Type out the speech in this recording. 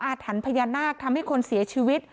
ถันพญานาคทำให้คนเสียชีวิต